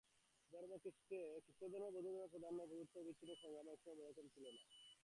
খ্রীষ্টধর্মে ও বৌদ্ধধর্মে প্রাধান্য এবং প্রভুত্ব নিয়ে অবিচ্ছিন্ন সংগ্রামও একসময়ে বড় কম ছিল না।